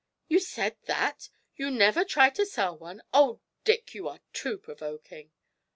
"' 'You said that! You never tried to sell one? Oh, Dick, you are too provoking!'